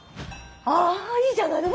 あいいじゃないの。